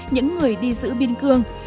những người đi giữ biên cường